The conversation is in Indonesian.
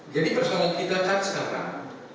jadi persoalan kita kan sekarang